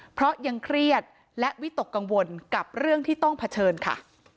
เพราะยังเครียดและวิตกกังวลกับเรื่องที่ต้องเผชิญค่ะ